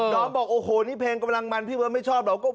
อมบอกโอ้โหนี่เพลงกำลังมันพี่เบิร์ตไม่ชอบหรอก